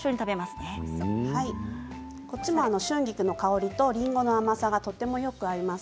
こっちも春菊の香りとりんごの甘さがとてもよく合います。